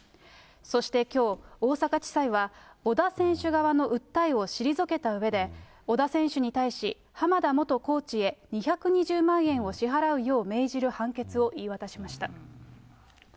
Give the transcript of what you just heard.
そしてきょう、大阪地裁は、織田選手側の訴えを退けたうえで、織田選手に対し、濱田元コーチへ２２０万円を支払うよう命じる判決を言い渡しました。